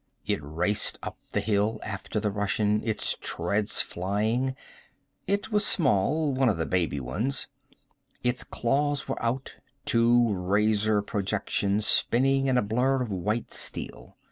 It raced up the hill after the Russian, its treads flying. It was small, one of the baby ones. Its claws were out, two razor projections spinning in a blur of white steel.